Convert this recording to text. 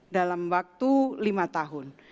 dalam waktu lima tahun